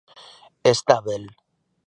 Estábel.